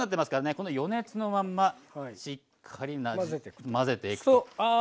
この余熱のまんましっかり混ぜていくと。